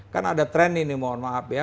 kan ada tren ini mohon maaf ya